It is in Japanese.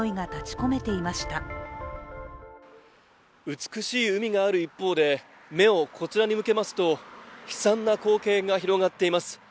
美しい海がある一方で、目をこちらに向けますと、悲惨な光景が広がっています。